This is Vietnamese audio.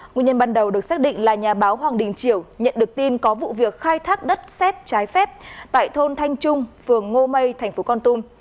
nguyên nhân ban đầu được xác định là nhà báo hoàng đình triều nhận được tin có vụ việc khai thác đất xét trái phép tại thôn thanh trung phường ngô mây thành phố con tum